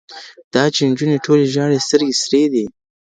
دا چي نجوني ټولي ژاړي سترګې سرې دي